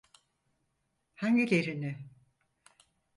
Hangilerini?